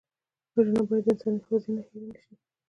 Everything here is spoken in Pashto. وژنه باید د انساني حافظې نه هېره نه شي